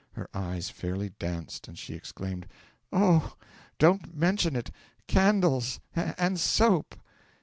Her eyes fairly danced, and she exclaimed: 'Oh! Don't mention it! Candles! and soap!